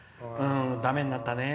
だめになったね。